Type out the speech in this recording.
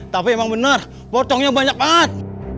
tapi emang bener pocongnya banyak banget